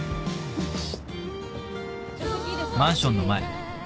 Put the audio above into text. よし。